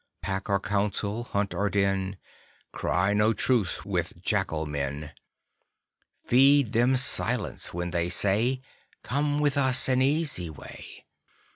Pack or council, hunt or den, Cry no truce with Jackal Men. Feed them silence when they say: "Come with us an easy way."